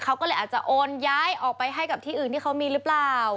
เขาก็เลยอาจจะโอนย้ายออกไปให้กับที่อื่นที่เขามีหรือเปล่า